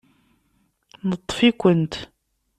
Neṭṭef-ikent.